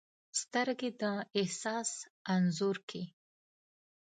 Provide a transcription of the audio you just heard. سترګې د احساس انځور کښي